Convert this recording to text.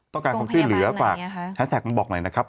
ต้องการความช่วยเหลือกว่าฮัสแท็กบอกไหนนะครับ